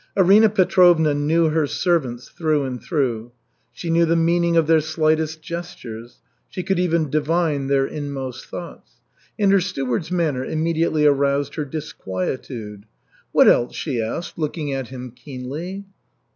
Arina Petrovna knew her servants through and through; she knew the meaning of their slightest gestures, she could even divine their inmost thoughts. And her steward's manner immediately aroused her disquietude. "What else?" she asked, looking at him keenly.